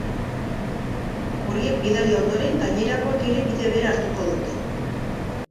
Horiek bidali ondoren, gainerakoek ere bide bera hartuko dute.